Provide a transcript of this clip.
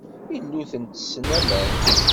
Iluten ttessen aman.